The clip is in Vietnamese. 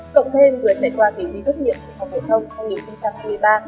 cộng thêm vừa trải qua kỳ thi bước nhiệm trung học hệ thông năm hai nghìn một mươi ba